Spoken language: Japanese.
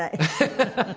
ハハハハ。